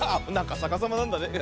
さかさまなんだね。